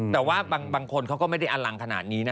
แต่ว่าบางคนเขาก็ไม่ได้อลังขนาดนี้นะ